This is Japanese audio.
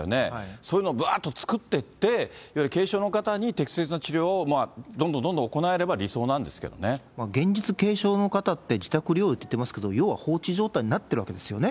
そういうの、ぶわーっと作ってって、いわゆる軽症の方に適切な治療をどんどんどんどん行えれば理想な現実、軽症の方って自宅療養って言ってますけど、要は放置状態になってるわけですよね。